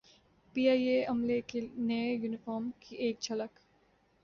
P I A عملے کے نئے یونیفارم کی ایک جھلک